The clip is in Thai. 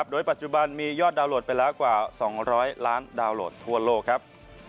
โดยปัจจุบันมียอดดาวนโหลดไปแล้วกว่า๒๐๐ล้านดาวนโหลดทั่วโลกครับ